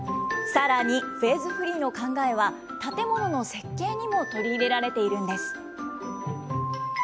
さらに、フェーズフリーの考えは、建物の設計にも取り入れられているんです。